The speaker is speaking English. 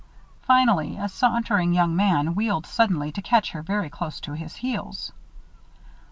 Finally a sauntering young man wheeled suddenly to catch her very close to his heels.